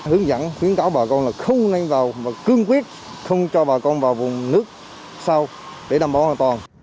hướng dẫn khuyến cáo bà con là không nên vào và cương quyết không cho bà con vào vùng nước sau để đảm bảo an toàn